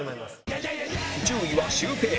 １０位はシュウペイ